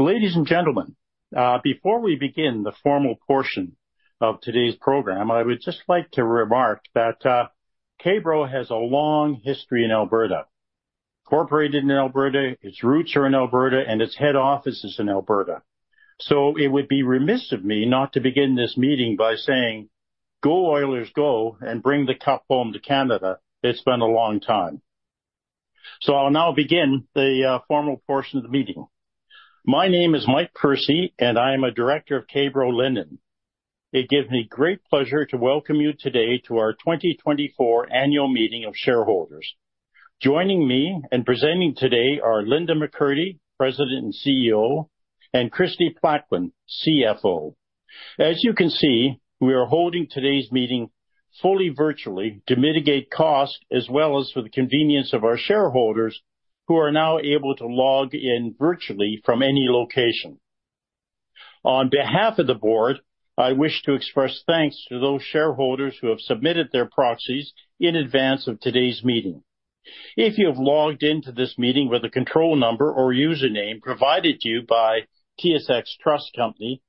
Ladies and gentlemen, before we begin the formal portion of today's program, I would just like to remark that, K-Bro has a long history in Alberta. Incorporated in Alberta, its roots are in Alberta, and its head office is in Alberta. It would be remiss of me not to begin this meeting by saying, "Go Oilers, go, and bring the cup home to Canada. It's been a long time." I'll now begin the formal portion of the meeting. My name is Mike Percy, and I am a director of K-Bro Linen. It gives me great pleasure to welcome you today to our 2024 Annual Meeting of Shareholders. Joining me and presenting today are Linda McCurdy, President and CEO, and Kristie Plaquin, CFO. As you can see, we are holding today's meeting fully virtually to mitigate costs, as well as for the convenience of our shareholders, who are now able to log in virtually from any location. On behalf of the board, I wish to express thanks to those shareholders who have submitted their proxies in advance of today's meeting. If you have logged into this meeting with a control number or username provided to you by TSX Trust Company,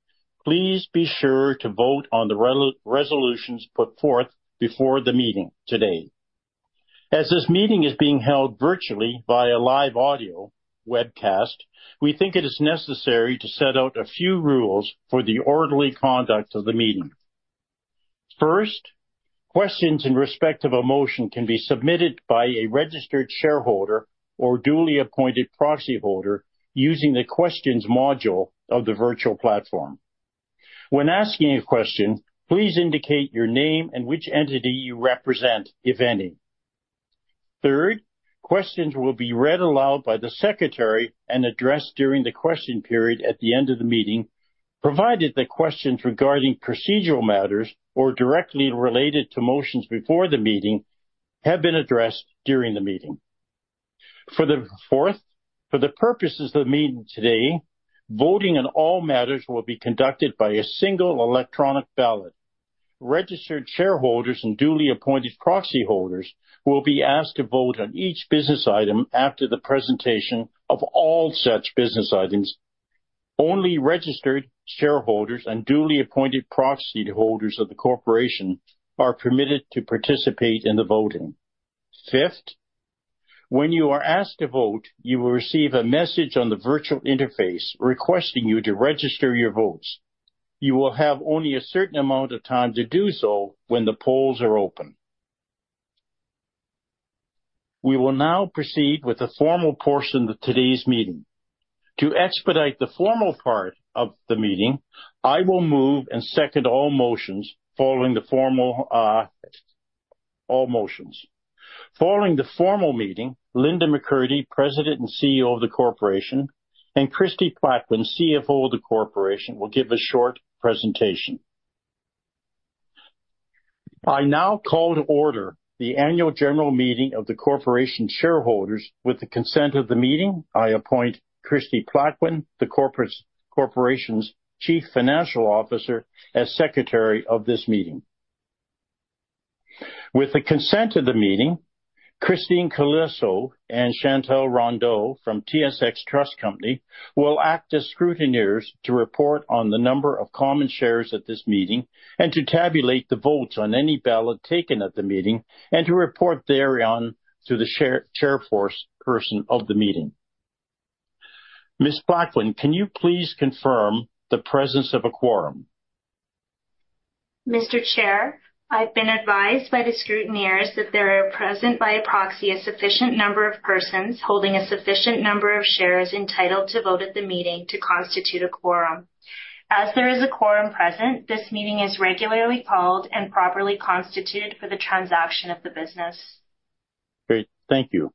please be sure to vote on the resolutions put forth before the meeting today. As this meeting is being held virtually via live audio webcast, we think it is necessary to set out a few rules for the orderly conduct of the meeting. First, questions in respect of a motion can be submitted by a registered shareholder or duly appointed proxy holder using the questions module of the virtual platform. When asking a question, please indicate your name and which entity you represent, if any. Third, questions will be read aloud by the secretary and addressed during the question period at the end of the meeting, provided that questions regarding procedural matters or directly related to motions before the meeting have been addressed during the meeting. For the fourth, for the purposes of the meeting today, voting on all matters will be conducted by a single electronic ballot. Registered shareholders and duly appointed proxy holders will be asked to vote on each business item after the presentation of all such business items. Only registered shareholders and duly appointed proxy holders of the corporation are permitted to participate in the voting. Fifth, when you are asked to vote, you will receive a message on the virtual interface requesting you to register your votes. You will have only a certain amount of time to do so when the polls are open. We will now proceed with the formal portion of today's meeting. To expedite the formal part of the meeting, I will move and second all motions following the formal meeting. Following the formal meeting, Linda McCurdy, President and CEO of the corporation, and Kristie Plaquin, CFO of the corporation, will give a short presentation. I now call to order the annual general meeting of the corporation shareholders. With the consent of the meeting, I appoint Kristie Plaquin, the corporation's Chief Financial Officer, as secretary of this meeting. With the consent of the meeting, Kristine Calesso and Chantelle Rondeau from TSX Trust Company will act as scrutineers to report on the number of common shares at this meeting and to tabulate the votes on any ballot taken at the meeting and to report thereon to the Chair, Chairperson of the meeting. Ms. Plaquin, can you please confirm the presence of a quorum? Mr. Chair, I've been advised by the scrutineers that there are present by proxy a sufficient number of persons holding a sufficient number of shares entitled to vote at the meeting to constitute a quorum. As there is a quorum present, this meeting is regularly called and properly constituted for the transaction of the business. Great. Thank you.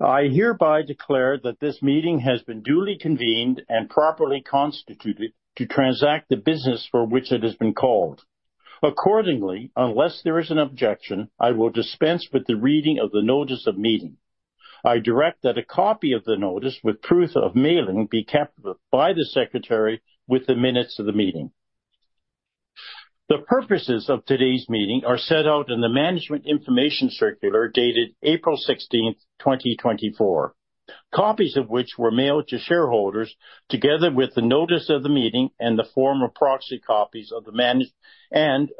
I hereby declare that this meeting has been duly convened and properly constituted to transact the business for which it has been called. Accordingly, unless there is an objection, I will dispense with the reading of the notice of meeting. I direct that a copy of the notice with proof of mailing be kept by the secretary with the minutes of the meeting. The purposes of today's meeting are set out in the management information circular dated April 16th, 2024. Copies of which were mailed to shareholders together with the notice of the meeting and the form of proxy, copies of the management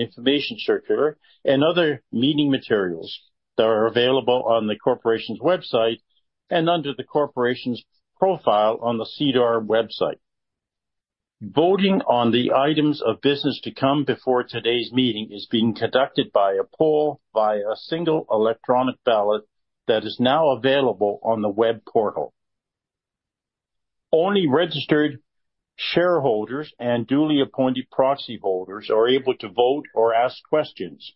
information circular and other meeting materials that are available on the corporation's website and under the corporation's profile on the SEDAR website. Voting on the items of business to come before today's meeting is being conducted by a poll by a single electronic ballot that is now available on the web portal. Only registered shareholders and duly appointed proxy holders are able to vote or ask questions.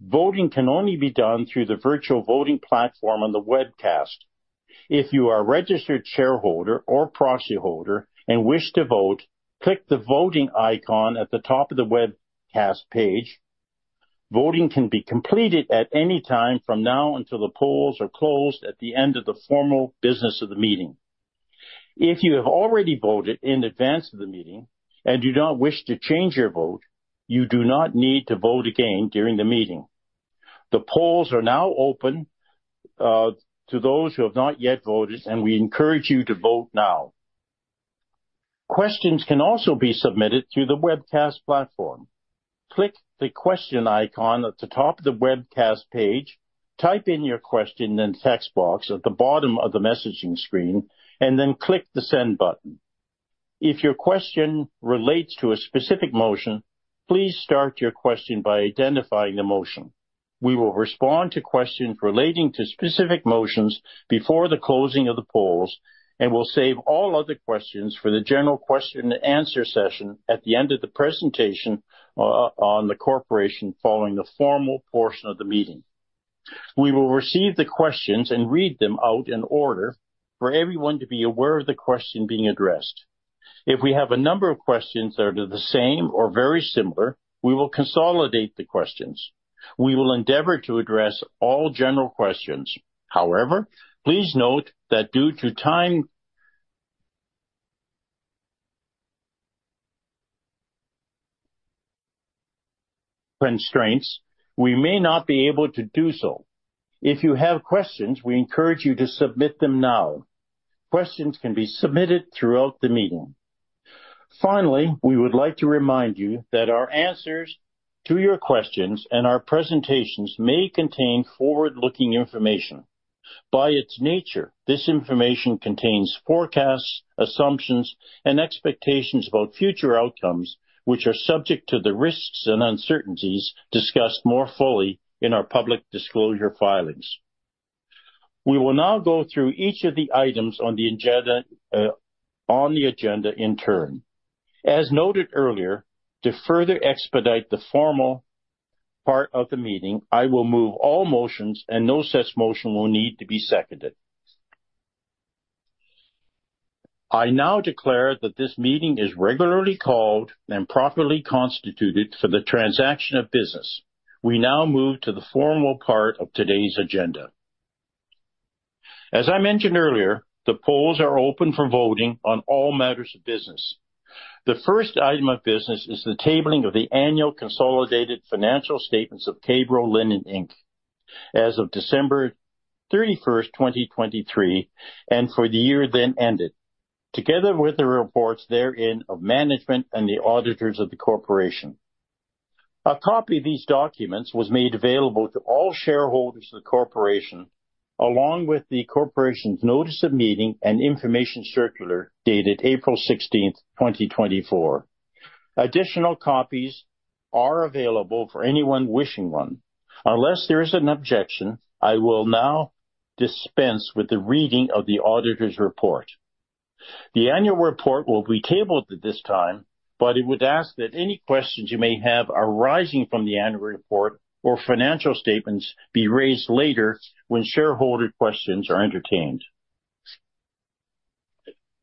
Voting can only be done through the virtual voting platform on the webcast. If you are a registered shareholder or proxy holder and wish to vote, click the voting icon at the top of the webcast page. Voting can be completed at any time from now until the polls are closed at the end of the formal business of the meeting. If you have already voted in advance of the meeting and do not wish to change your vote, you do not need to vote again during the meeting. The polls are now open to those who have not yet voted, and we encourage you to vote now. Questions can also be submitted through the webcast platform. Click the question icon at the top of the webcast page, type in your question in the text box at the bottom of the messaging screen, and then click the send button. If your question relates to a specific motion, please start your question by identifying the motion. We will respond to questions relating to specific motions before the closing of the polls, and we'll save all other questions for the general question and answer session at the end of the presentation on the corporation following the formal portion of the meeting. We will receive the questions and read them out in order for everyone to be aware of the question being addressed. If we have a number of questions that are the same or very similar, we will consolidate the questions. We will endeavor to address all general questions. However, please note that due to time constraints, we may not be able to do so. If you have questions, we encourage you to submit them now. Questions can be submitted throughout the meeting. Finally, we would like to remind you that our answers to your questions and our presentations may contain forward-looking information. By its nature, this information contains forecasts, assumptions, and expectations about future outcomes, which are subject to the risks and uncertainties discussed more fully in our public disclosure filings. We will now go through each of the items on the agenda in turn. As noted earlier, to further expedite the formal part of the meeting, I will move all motions and no such motion will need to be seconded. I now declare that this meeting is regularly called and properly constituted for the transaction of business. We now move to the formal part of today's agenda. As I mentioned earlier, the polls are open for voting on all matters of business. The first item of business is the tabling of the annual consolidated financial statements of K-Bro Linen Inc. as of December 31st, 2023, and for the year then ended, together with the reports therein of management and the auditors of the corporation. A copy of these documents was made available to all shareholders of the corporation, along with the corporation's notice of meeting and information circular dated April 16th, 2024. Additional copies are available for anyone wishing one. Unless there is an objection, I will now dispense with the reading of the auditor's report. The annual report will be tabled at this time, but it would ask that any questions you may have arising from the annual report or financial statements be raised later when shareholder questions are entertained.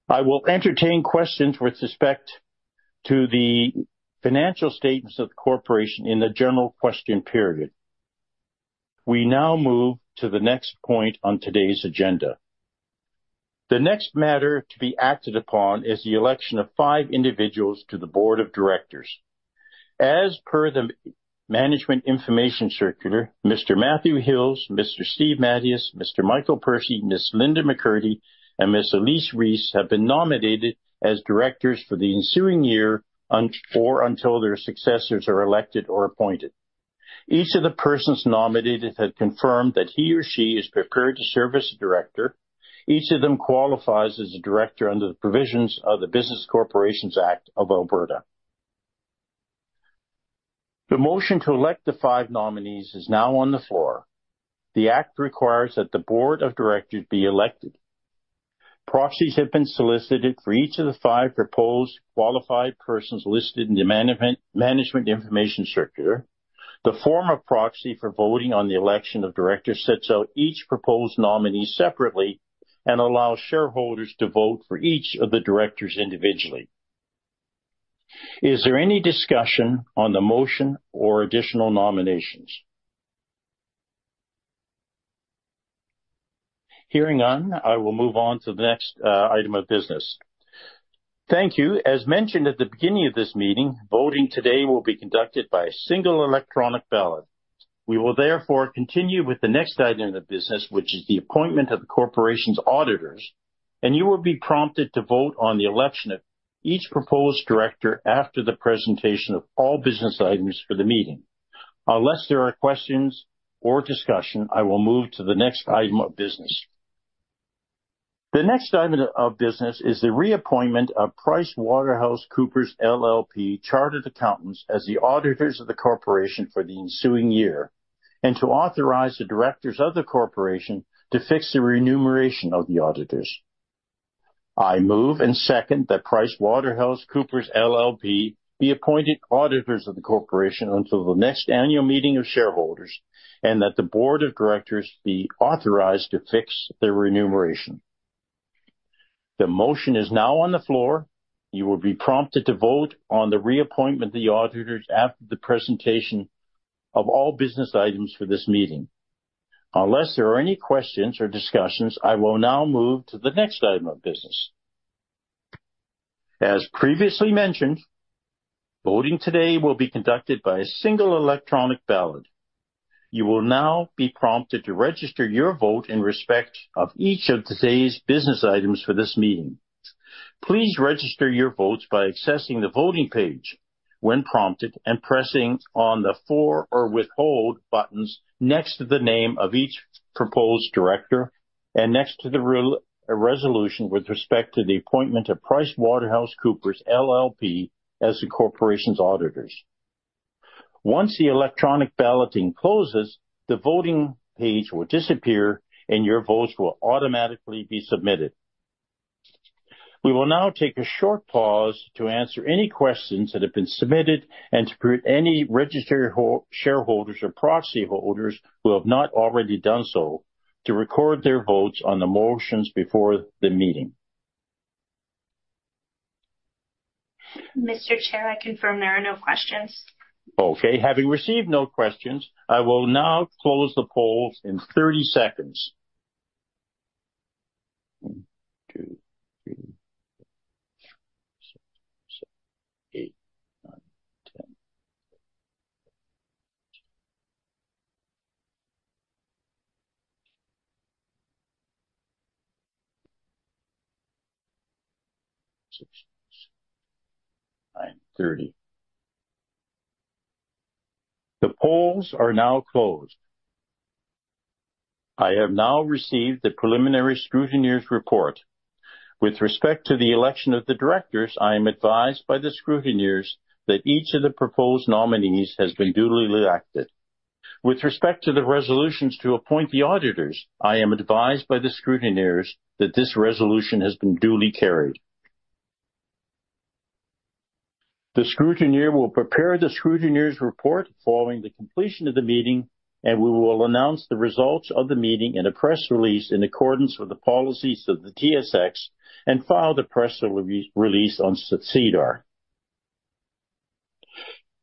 I will entertain questions with respect to the financial statements of the corporation in the general question period. We now move to the next point on today's agenda. The next matter to be acted upon is the election of five individuals to the board of directors. As per the management information circular, Mr. Matthew Hill, Mr. Steven Matyas, Mr. Michael Percy, Ms. Linda McCurdy, and Ms. Elise Rees have been nominated as directors for the ensuing year or until their successors are elected or appointed. Each of the persons nominated have confirmed that he or she is prepared to serve as a director. Each of them qualifies as a director under the provisions of the Business Corporations Act of Alberta. The motion to elect the five nominees is now on the floor. The act requires that the board of directors be elected. Proxies have been solicited for each of the five proposed qualified persons listed in the management information circular. The form of proxy for voting on the election of directors sets out each proposed nominee separately and allows shareholders to vote for each of the directors individually. Is there any discussion on the motion or additional nominations? Hearing none, I will move on to the next item of business. Thank you. As mentioned at the beginning of this meeting, voting today will be conducted by a single electronic ballot. We will therefore continue with the next item of business, which is the appointment of the corporation's auditors, and you will be prompted to vote on the election of each proposed director after the presentation of all business items for the meeting. Unless there are questions or discussion, I will move to the next item of business. The next item of business is the reappointment of PricewaterhouseCoopers LLP Chartered Accountants as the auditors of the corporation for the ensuing year, and to authorize the directors of the corporation to fix the remuneration of the auditors. I move and second that PricewaterhouseCoopers LLP be appointed auditors of the corporation until the next annual meeting of shareholders, and that the board of directors be authorized to fix their remuneration. The motion is now on the floor. You will be prompted to vote on the reappointment of the auditors after the presentation of all business items for this meeting. Unless there are any questions or discussions, I will now move to the next item of business. As previously mentioned, voting today will be conducted by a single electronic ballot. You will now be prompted to register your vote in respect of each of today's business items for this meeting. Please register your votes by accessing the voting page when prompted and pressing on the For or Withhold buttons next to the name of each proposed director and next to the re-resolution with respect to the appointment of PricewaterhouseCoopers LLP as the corporation's auditors. Once the electronic balloting closes, the voting page will disappear and your votes will automatically be submitted. We will now take a short pause to answer any questions that have been submitted and to greet any registered shareholders or proxy holders who have not already done so to record their votes on the motions before the meeting. Mr. Chair, I confirm there are no questions. Okay. Having received no questions, I will now close the poll in 30 seconds. one, two, three, four, five, six, seven, eight, nine, 10. six, seven, eight, nine, 30. The polls are now closed. I have now received the preliminary scrutineers report. With respect to the election of the directors, I am advised by the scrutineers that each of the proposed nominees has been duly elected. With respect to the resolutions to appoint the auditors, I am advised by the scrutineers that this resolution has been duly carried. The scrutineer will prepare the scrutineers report following the completion of the meeting, and we will announce the results of the meeting in a press release in accordance with the policies of the TSX and file the press release on SEDAR.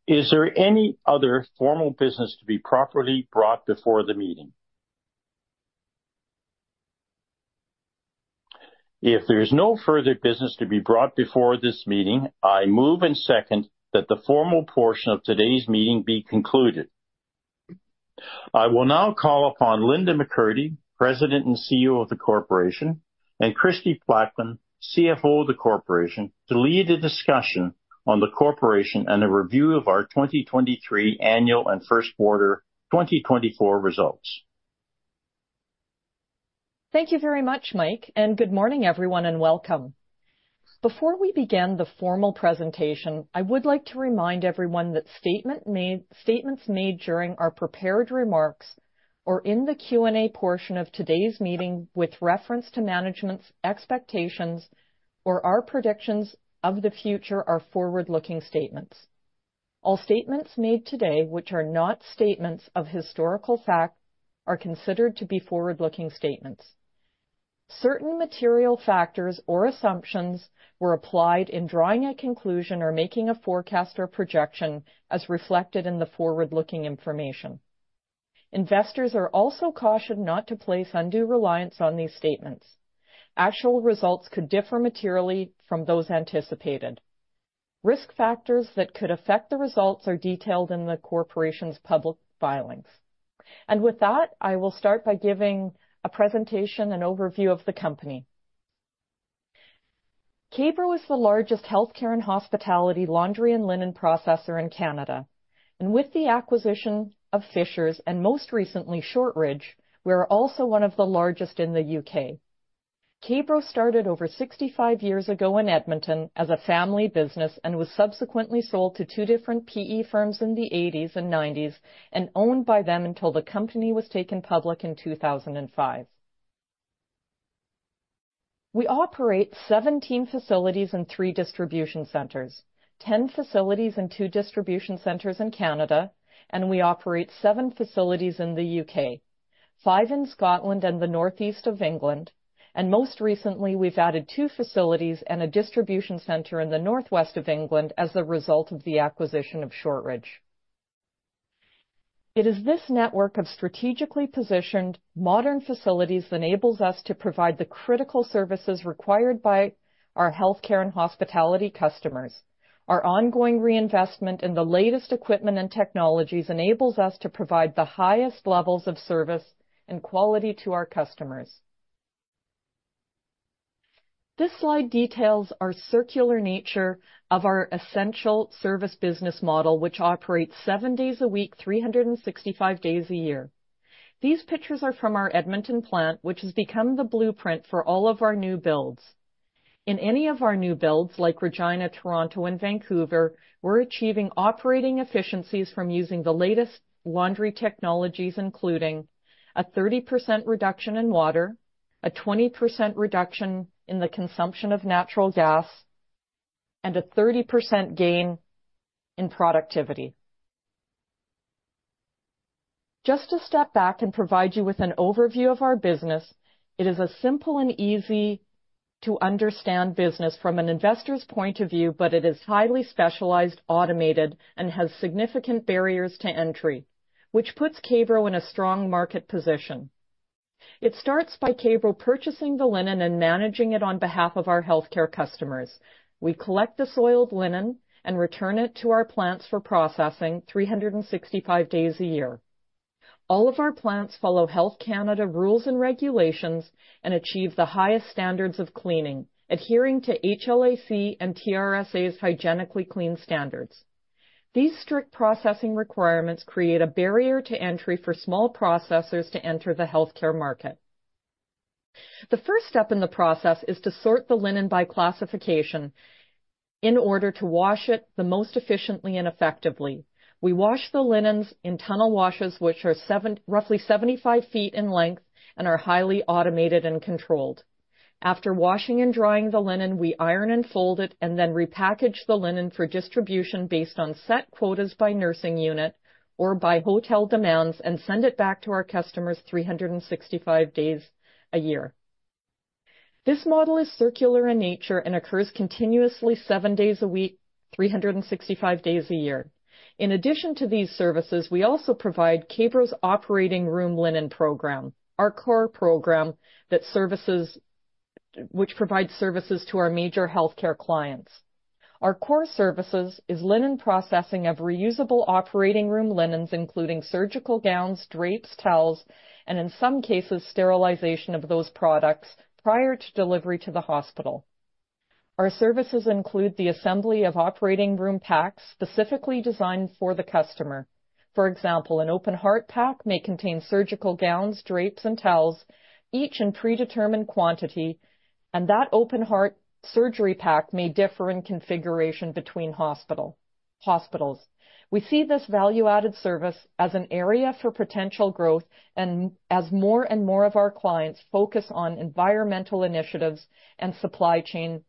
Is there any other formal business to be properly brought before the meeting? If there's no further business to be brought before this meeting, I move and second that the formal portion of today's meeting be concluded. I will now call upon Linda McCurdy, President and CEO of the Corporation, and Kristie Plaquin, CFO of the Corporation, to lead a discussion on the corporation and a review of our 2023 annual and first quarter 2024 results. Thank you very much, Mike, and good morning, everyone, and welcome. Before we begin the formal presentation, I would like to remind everyone that statements made during our prepared remarks or in the Q&A portion of today's meeting with reference to management's expectations or our predictions of the future are forward-looking statements. All statements made today, which are not statements of historical fact, are considered to be forward-looking statements. Certain material factors or assumptions were applied in drawing a conclusion or making a forecast or projection as reflected in the forward-looking information. Investors are also cautioned not to place undue reliance on these statements. Actual results could differ materially from those anticipated. Risk factors that could affect the results are detailed in the corporation's public filings. With that, I will start by giving a presentation and overview of the company. K-Bro is the largest healthcare and hospitality laundry and linen processor in Canada. With the acquisition of Fishers and most recently Shortridge, we are also one of the largest in the U.K. K-Bro started over 65 years ago in Edmonton as a family business and was subsequently sold to two different PE firms in the 1980s and 1990s and owned by them until the company was taken public in 2005. We operate 17 facilities and three distribution centers. 10 facilities and two distribution centers in Canada, and we operate seven facilities in the U.K., five in Scotland and the northeast of England. Most recently, we've added two facilities and a distribution center in the northwest of England as a result of the acquisition of Shortridge. It is this network of strategically positioned modern facilities enables us to provide the critical services required by our healthcare and hospitality customers. Our ongoing reinvestment in the latest equipment and technologies enables us to provide the highest levels of service and quality to our customers. This slide details our circular nature of our essential service business model, which operates seven days a week, 365 days a year. These pictures are from our Edmonton plant, which has become the blueprint for all of our new builds. In any of our new builds, like Regina, Toronto, and Vancouver, we're achieving operating efficiencies from using the latest laundry technologies, including a 30% reduction in water, a 20% reduction in the consumption of natural gas, and a 30% gain in productivity. Just to step back and provide you with an overview of our business, it is a simple and easy to understand business from an investor's point of view, but it is highly specialized, automated, and has significant barriers to entry, which puts K-Bro in a strong market position. It starts by K-Bro purchasing the linen and managing it on behalf of our healthcare customers. We collect the soiled linen and return it to our plants for processing 365 days a year. All of our plants follow Health Canada rules and regulations and achieve the highest standards of cleaning, adhering to HLAC and TRSA's hygienically clean standards. These strict processing requirements create a barrier to entry for small processors to enter the healthcare market. The first step in the process is to sort the linen by classification in order to wash it the most efficiently and effectively. We wash the linens in tunnel washes, which are roughly 75 feet in length and are highly automated and controlled. After washing and drying the linen, we iron and fold it and then repackage the linen for distribution based on set quotas by nursing unit or by hotel demands and send it back to our customers 365 days a year. This model is circular in nature and occurs continuously, seven days a week, 365 days a year. In addition to these services, we also provide K-Bro's operating room linen program, our core program which provides services to our major healthcare clients. Our core services is linen processing of reusable operating room linens, including surgical gowns, drapes, towels, and in some cases, sterilization of those products prior to delivery to the hospital. Our services include the assembly of operating room packs, specifically designed for the customer. For example, an open heart pack may contain surgical gowns, drapes, and towels, each in predetermined quantity, and that open heart surgery pack may differ in configuration between hospitals. We see this value-added service as an area for potential growth and as more and more of our clients focus on environmental initiatives and supply chain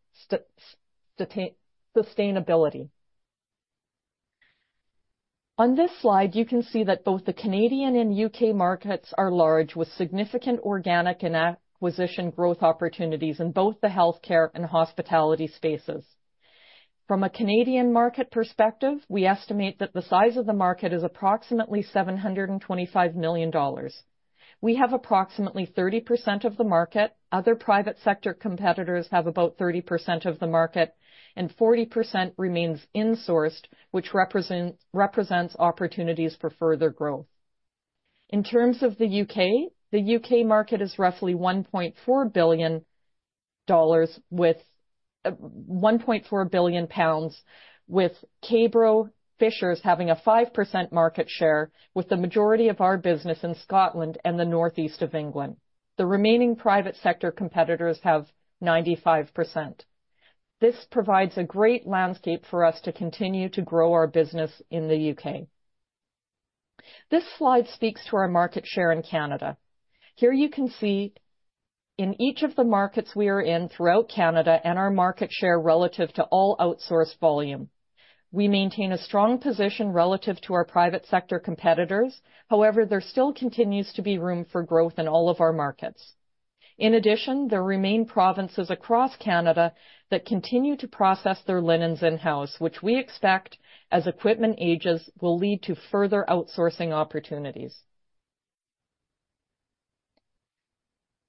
sustainability. On this slide, you can see that both the Canadian and U.K. markets are large with significant organic and acquisition growth opportunities in both the healthcare and hospitality spaces. From a Canadian market perspective, we estimate that the size of the market is approximately 725 million dollars. We have approximately 30% of the market. Other private sector competitors have about 30% of the market, and 40% remains insourced, which represents opportunities for further growth. In terms of the U.K., the U.K. market is roughly GBP 1.4 billion, with K-Bro Fishers having a 5% market share with the majority of our business in Scotland and the North East of England. The remaining private sector competitors have 95%. This provides a great landscape for us to continue to grow our business in the U.K. This slide speaks to our market share in Canada. Here you can see in each of the markets we are in throughout Canada and our market share relative to all outsourced volume. We maintain a strong position relative to our private sector competitors. However, there still continues to be room for growth in all of our markets. In addition, there remain provinces across Canada that continue to process their linens in-house, which we expect as equipment ages will lead to further outsourcing opportunities.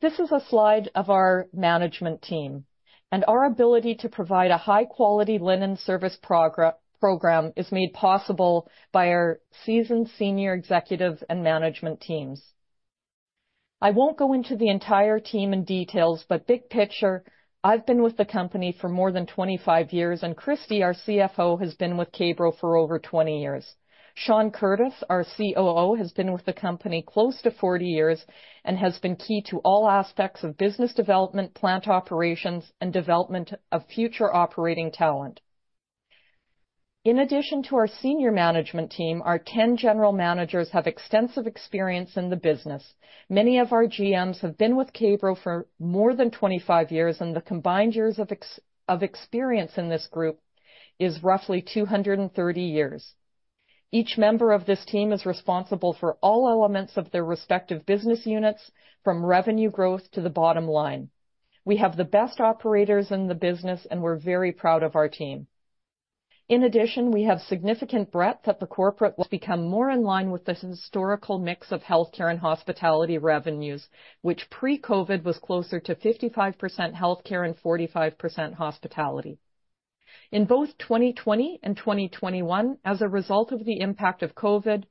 This is a slide of our management team and our ability to provide a high-quality linen service program is made possible by our seasoned senior executives and management teams. I won't go into the entire team in details, but big picture, I've been with the company for more than 25 years, and Kristie, our CFO, has been with K-Bro for over 20 years. Sean Curtis, our COO, has been with the company close to 40 years and has been key to all aspects of business development, plant operations, and development of future operating talent. In addition to our senior management team, our 10 general managers have extensive experience in the business. Many of our GMs have been with K-Bro for more than 25 years, and the combined years of experience in this group is roughly 230 years. Each member of this team is responsible for all elements of their respective business units, from revenue growth to the bottom line. We have the best operators in the business and we're very proud of our team. In addition, we have significant breadth at the corporate level. It has become more in line with this historical mix of healthcare and hospitality revenues, which pre-COVID was closer to 55% healthcare and 45% hospitality. In both 2020 and 2021, as a result of the impact of COVID,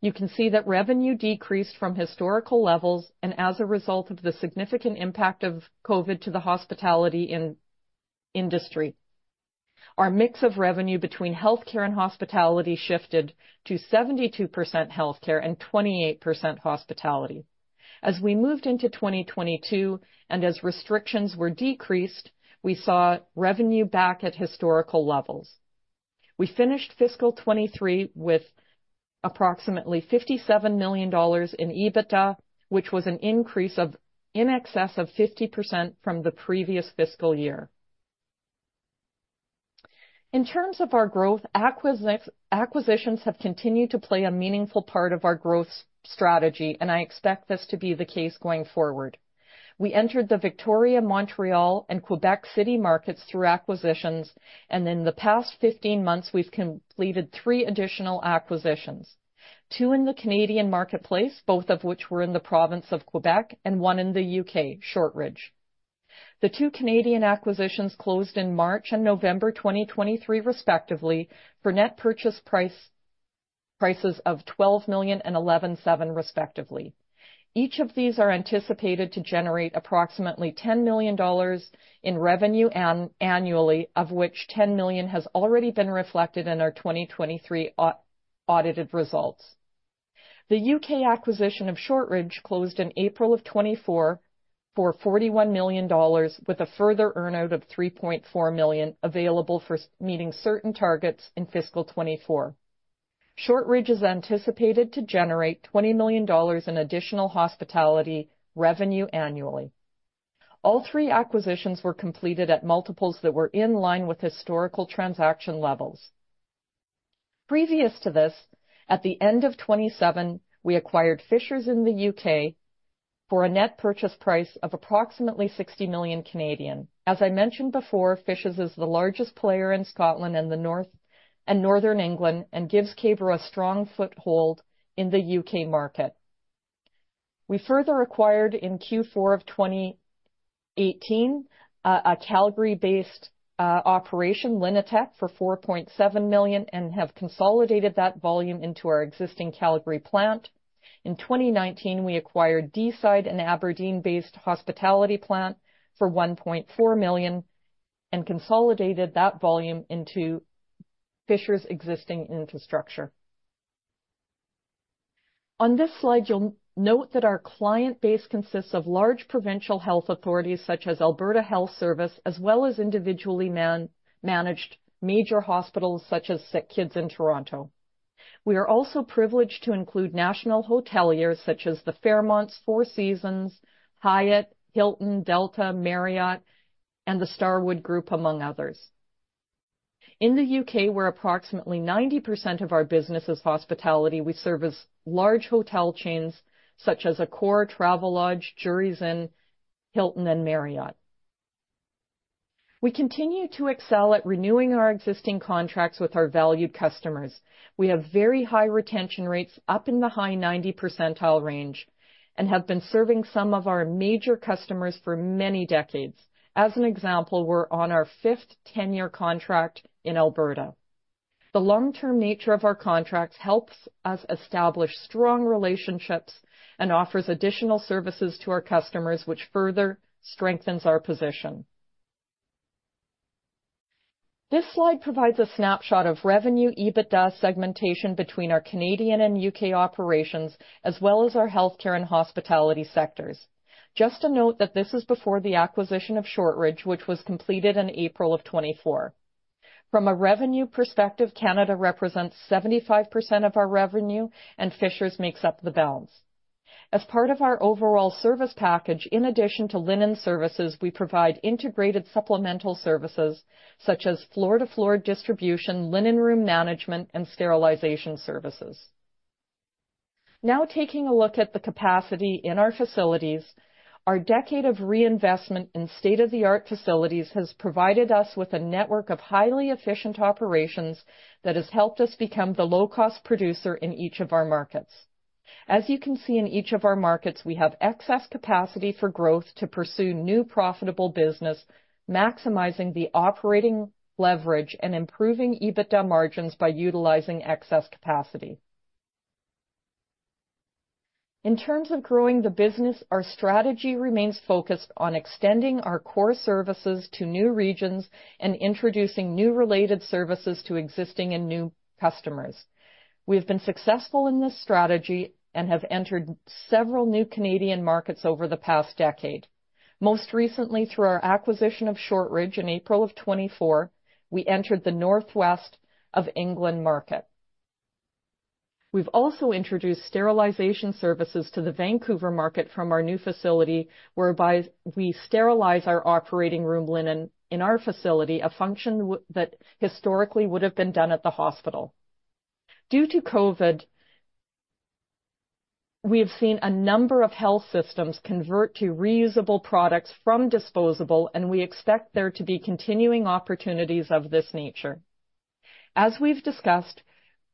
you can see that revenue decreased from historical levels and as a result of the significant impact of COVID to the hospitality industry. Our mix of revenue between healthcare and hospitality shifted to 72% healthcare and 28% hospitality. As we moved into 2022 and as restrictions were decreased, we saw revenue back at historical levels. We finished fiscal 2023 with approximately 57 million dollars in EBITDA, which was an increase in excess of 50% from the previous fiscal year. In terms of our growth, acquisitions have continued to play a meaningful part of our growth strategy, and I expect this to be the case going forward. We entered the Victoria, Montreal, and Quebec City markets through acquisitions, and in the past 15 months, we've completed three additional acquisitions, two in the Canadian marketplace, both of which were in the province of Quebec, and one in the U.K., Shortridge. The two Canadian acquisitions closed in March and November 2023 respectively for net purchase prices of 12 million and 11.7 million respectively. Each of these are anticipated to generate approximately CAD 10 million in revenue annually, of which CAD 10 million has already been reflected in our 2023 audited results. The U.K. acquisition of Shortridge closed in April of 2024 for 41 million dollars with a further earn-out of 3.4 million available for meeting certain targets in fiscal 2024. Shortridge is anticipated to generate 20 million dollars in additional hospitality revenue annually. All three acquisitions were completed at multiples that were in line with historical transaction levels. Previous to this, at the end of 2017, we acquired Fishers in the U.K. for a net purchase price of approximately 60 million. As I mentioned before, Fishers is the largest player in Scotland and Northern England and gives K-Bro a strong foothold in the U.K. market. We further acquired in Q4 of 2018 a Calgary-based operation, Linitek, for 4.7 million and have consolidated that volume into our existing Calgary plant. In 2019, we acquired Deeside, an Aberdeen-based hospitality plant, for 1.4 million and consolidated that volume into Fishers existing infrastructure. On this slide, you'll note that our client base consists of large provincial health authorities such as Alberta Health Services, as well as individually managed major hospitals such as SickKids in Toronto. We are also privileged to include national hoteliers such as the Fairmont, Four Seasons, Hyatt, Hilton, Delta, Marriott, and the Starwood group, among others. In the U.K., where approximately 90% of our business is hospitality, we service large hotel chains such as Accor, Travelodge, Jurys Inn, Hilton, and Marriott. We continue to excel at renewing our existing contracts with our valued customers. We have very high retention rates, up in the high 90 percentile range, and have been serving some of our major customers for many decades. As an example, we're on our fifth ten-year contract in Alberta. The long-term nature of our contracts helps us establish strong relationships and offers additional services to our customers, which further strengthens our position. This slide provides a snapshot of revenue EBITDA segmentation between our Canadian and U.K. operations, as well as our healthcare and hospitality sectors. Just to note that this is before the acquisition of Shortridge, which was completed in April 2024. From a revenue perspective, Canada represents 75% of our revenue, and Fishers makes up the balance. As part of our overall service package, in addition to linen services, we provide integrated supplemental services such as floor-to-floor distribution, linen room management, and sterilization services. Now taking a look at the capacity in our facilities, our decade of reinvestment in state-of-the-art facilities has provided us with a network of highly efficient operations that has helped us become the low-cost producer in each of our markets. As you can see in each of our markets, we have excess capacity for growth to pursue new profitable business, maximizing the operating leverage and improving EBITDA margins by utilizing excess capacity. In terms of growing the business, our strategy remains focused on extending our core services to new regions and introducing new related services to existing and new customers. We have been successful in this strategy and have entered several new Canadian markets over the past decade. Most recently, through our acquisition of Shortridge in April 2024, we entered the northwest of England market. We've also introduced sterilization services to the Vancouver market from our new facility, whereby we sterilize our operating room linen in our facility, a function that historically would have been done at the hospital. Due to COVID, we have seen a number of health systems convert to reusable products from disposable, and we expect there to be continuing opportunities of this nature. As we've discussed,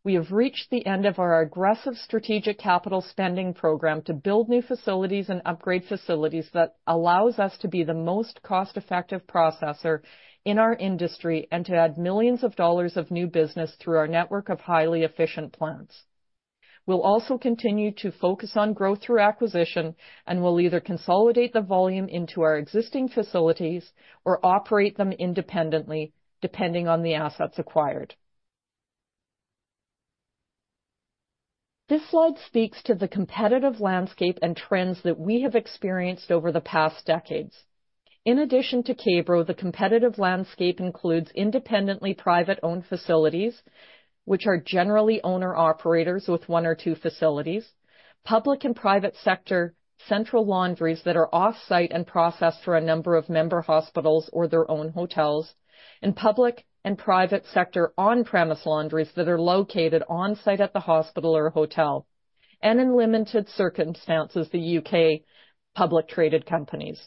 we have reached the end of our aggressive strategic capital spending program to build new facilities and upgrade facilities that allows us to be the most cost-effective processor in our industry and to add millions of CAD of new business through our network of highly efficient plants. We'll also continue to focus on growth through acquisition, and we'll either consolidate the volume into our existing facilities or operate them independently, depending on the assets acquired. This slide speaks to the competitive landscape and trends that we have experienced over the past decades. In addition to K-Bro, the competitive landscape includes independent, privately owned facilities, which are generally owner-operators with one or two facilities, public and private sector central laundries that are off-site and process for a number of member hospitals or their own hotels, and public and private sector on-premise laundries that are located on-site at the hospital or hotel. In limited circumstances, the U.K. publicly traded companies.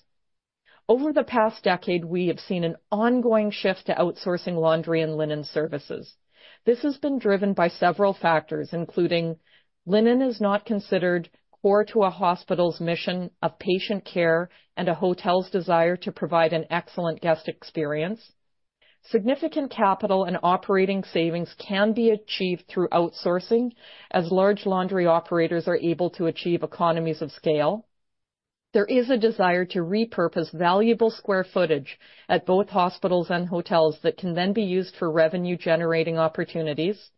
Over the past decade, we have seen an ongoing shift to outsourcing laundry and linen services. This has been driven by several factors, including linen is not considered core to a hospital's mission of patient care and a hotel's desire to provide an excellent guest experience. Significant capital and operating savings can be achieved through outsourcing, as large laundry operators are able to achieve economies of scale. There is a desire to repurpose valuable square footage at both hospitals and hotels that can then be used for revenue-generating opportunities.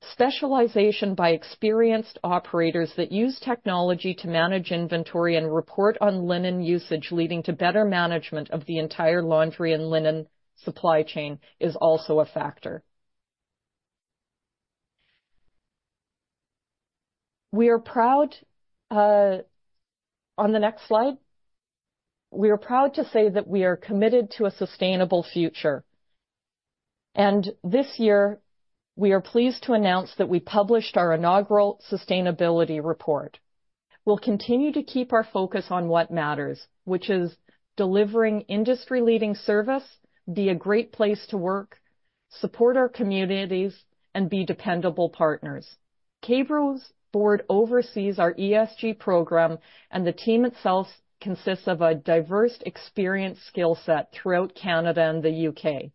Specialization by experienced operators that use technology to manage inventory and report on linen usage, leading to better management of the entire laundry and linen supply chain is also a factor. We are proud to say that we are committed to a sustainable future, and this year we are pleased to announce that we published our inaugural sustainability report. We'll continue to keep our focus on what matters, which is delivering industry-leading service, be a great place to work, support our communities, and be dependable partners. K-Bro's board oversees our ESG program, and the team itself consists of a diverse experienced skill set throughout Canada and the U.K.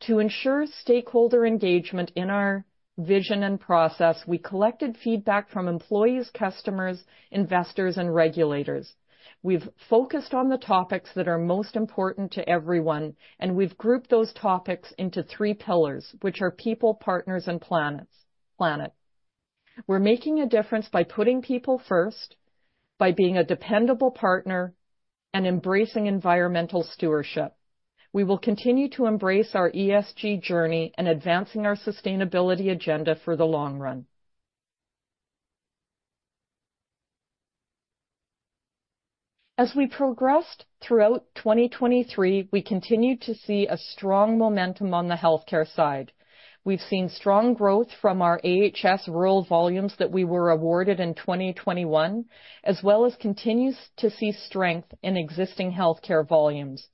To ensure stakeholder engagement in our vision and process, we collected feedback from employees, customers, investors, and regulators. We've focused on the topics that are most important to everyone, and we've grouped those topics into three pillars, which are people, partners, and planet. We're making a difference by putting people first, by being a dependable partner, and embracing environmental stewardship. We will continue to embrace our ESG journey and advancing our sustainability agenda for the long run. As we progressed throughout 2023, we continued to see a strong momentum on the healthcare side. We've seen strong growth from our AHS rural volumes that we were awarded in 2021, as well as continues to see strength in existing healthcare volumes.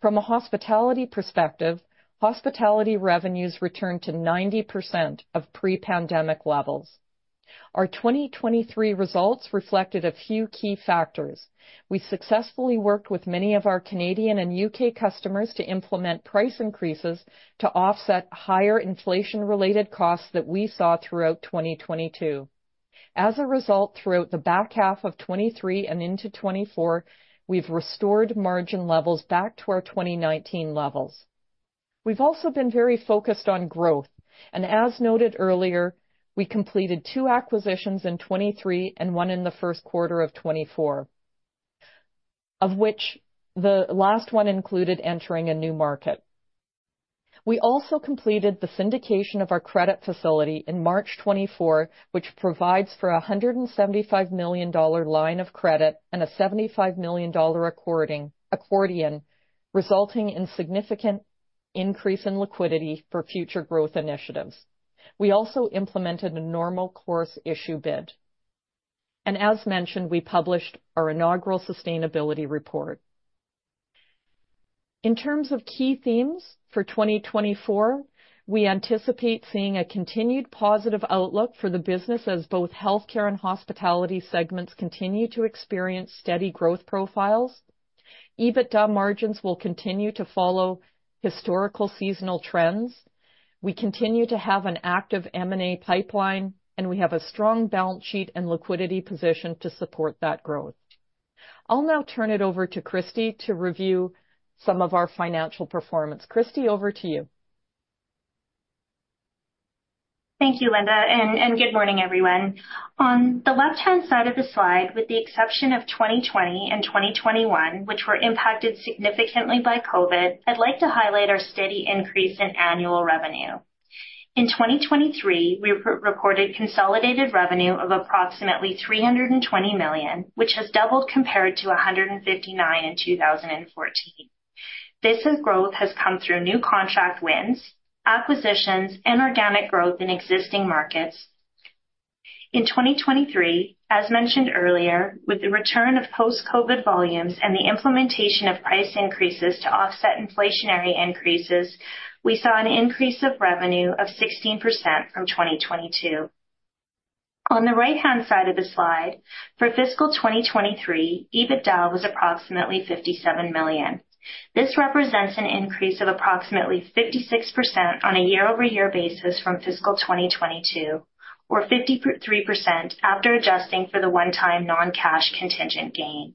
From a hospitality perspective, hospitality revenues returned to 90% of pre-pandemic levels. Our 2023 results reflected a few key factors. We successfully worked with many of our Canadian and U.K. customers to implement price increases to offset higher inflation-related costs that we saw throughout 2022. As a result, throughout the back half of 2023 and into 2024, we've restored margin levels back to our 2019 levels. We've also been very focused on growth. As noted earlier, we completed two acquisitions in 2023 and one in the first quarter of 2024, of which the last one included entering a new market. We also completed the syndication of our credit facility in March 2024, which provides for a 175 million dollar line of credit and a 75 million dollar accordion, resulting in significant increase in liquidity for future growth initiatives. We also implemented a normal course issuer bid. As mentioned, we published our inaugural sustainability report. In terms of key themes for 2024, we anticipate seeing a continued positive outlook for the business as both healthcare and hospitality segments continue to experience steady growth profiles. EBITDA margins will continue to follow historical seasonal trends. We continue to have an active M&A pipeline, and we have a strong balance sheet and liquidity position to support that growth. I'll now turn it over to Kristie to review some of our financial performance. Kristie, over to you. Thank you, Linda, and good morning, everyone. On the left-hand side of the slide, with the exception of 2020 and 2021, which were impacted significantly by COVID, I'd like to highlight our steady increase in annual revenue. In 2023, we re-recorded consolidated revenue of approximately 320 million, which has doubled compared to 159 million in 2014. This growth has come through new contract wins, acquisitions, and organic growth in existing markets. In 2023, as mentioned earlier, with the return of post-COVID volumes and the implementation of price increases to offset inflationary increases, we saw an increase of revenue of 16% from 2022. On the right-hand side of the slide, for fiscal 2023, EBITDA was approximately 57 million. This represents an increase of approximately 56% on a year-over-year basis from fiscal 2022 or 53% after adjusting for the one-time non-cash contingent gain.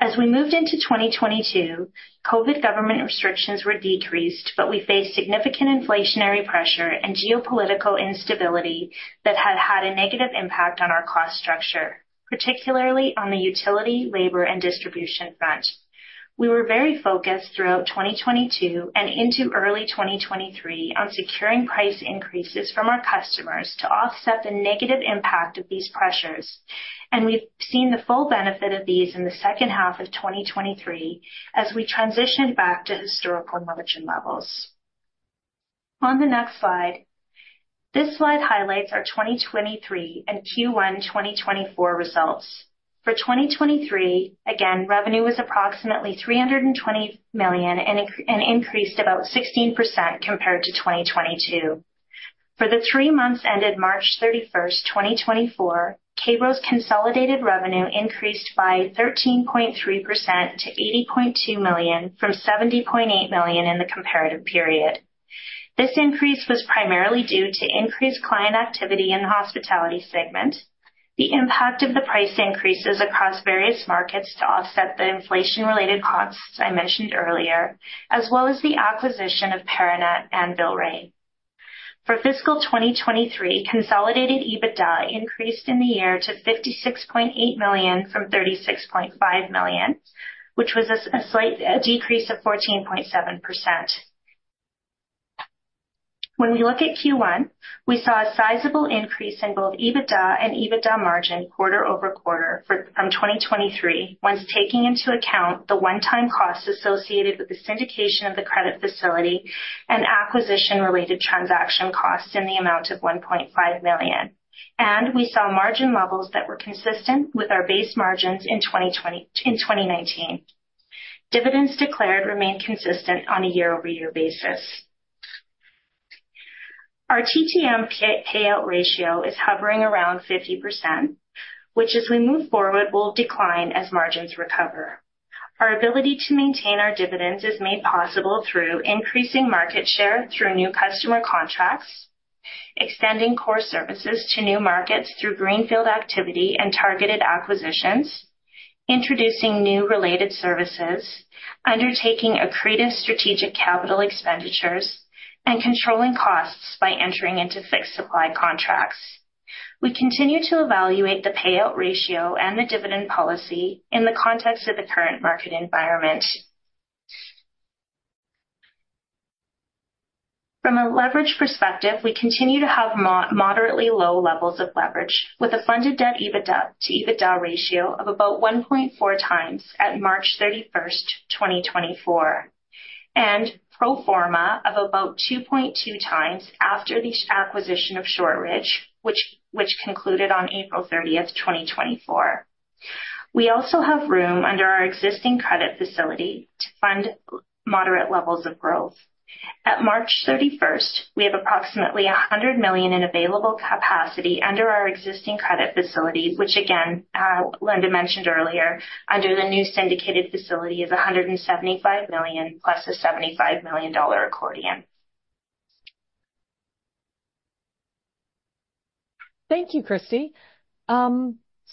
As we moved into 2022, COVID government restrictions were decreased, but we faced significant inflationary pressure and geopolitical instability that had had a negative impact on our cost structure, particularly on the utility, labor, and distribution front. We were very focused throughout 2022 and into early 2023 on securing price increases from our customers to offset the negative impact of these pressures, and we've seen the full benefit of these in the second half of 2023 as we transitioned back to historical margin levels. On the next slide, this slide highlights our 2023 and Q1 2024 results. For 2023, again, revenue was approximately 320 million and increased about 16% compared to 2022. For the three months ended March 31st, 2024, K-Bro's consolidated revenue increased by 13.3% to 80.2 million from 70.8 million in the comparative period. This increase was primarily due to increased client activity in the hospitality segment, the impact of the price increases across various markets to offset the inflation-related costs I mentioned earlier, as well as the acquisition of Paranet and Villeray. For fiscal 2023, consolidated EBITDA increased in the year to 56.8 million from 36.5 million, which was a slight decrease of 14.7%. When we look at Q1, we saw a sizable increase in both EBITDA and EBITDA margin quarter-over-quarter for 2023, once taking into account the one-time costs associated with the syndication of the credit facility and acquisition-related transaction costs in the amount of 1.5 million. We saw margin levels that were consistent with our base margins in 2019. Dividends declared remain consistent on a year-over-year basis. Our TTM payout ratio is hovering around 50%, which, as we move forward, will decline as margins recover. Our ability to maintain our dividends is made possible through increasing market share through new customer contracts, extending core services to new markets through greenfield activity and targeted acquisitions, introducing new related services, undertaking accretive strategic capital expenditures, and controlling costs by entering into fixed supply contracts. We continue to evaluate the payout ratio and the dividend policy in the context of the current market environment. From a leverage perspective, we continue to have moderately low levels of leverage with a funded debt to EBITDA ratio of about 1.4x at March 31st, 2024, and pro forma of about 2.2x after the acquisition of Shortridge, which concluded on April 30th, 2024. We also have room under our existing credit facility to fund moderate levels of growth. At March 31st, we have approximately 100 million in available capacity under our existing credit facility, which again, Linda mentioned earlier, under the new syndicated facility is 175 million plus a 75 million dollar accordion. Thank you, Kristie.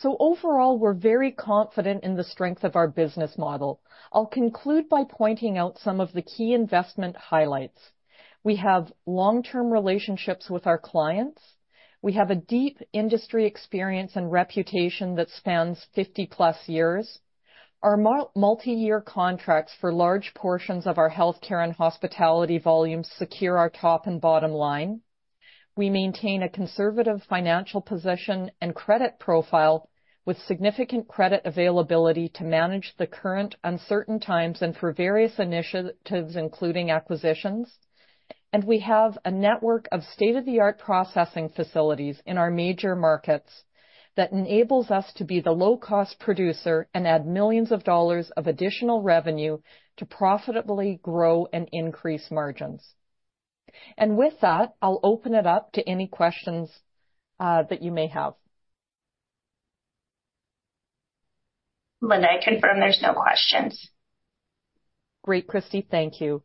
Overall, we're very confident in the strength of our business model. I'll conclude by pointing out some of the key investment highlights. We have long-term relationships with our clients. We have a deep industry experience and reputation that spans 50+ years. Our multi-year contracts for large portions of our healthcare and hospitality volumes secure our top and bottom line. We maintain a conservative financial position and credit profile with significant credit availability to manage the current uncertain times and for various initiatives, including acquisitions. We have a network of state-of-the-art processing facilities in our major markets that enables us to be the low-cost producer and add millions dollars of additional revenue to profitably grow and increase margins. With that, I'll open it up to any questions that you may have. Linda, I confirm there's no questions. Great, Kristie. Thank you.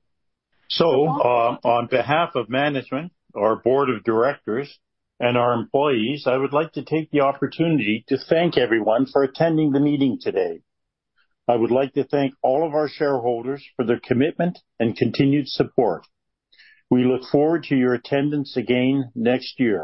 On behalf of management, our board of directors, and our employees, I would like to take the opportunity to thank everyone for attending the meeting today. I would like to thank all of our shareholders for their commitment and continued support. We look forward to your attendance again next year.